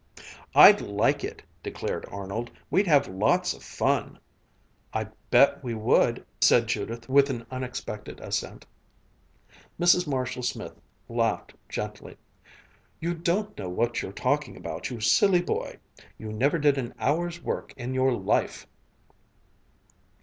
"I'd like it!" declared Arnold. "We'd have lots of fun." "I bet we would!" said Judith, with an unexpected assent. Mrs. Marshall Smith laughed gently. "You don't know what you're talking about, you silly boy. You never did an hour's work in your life!"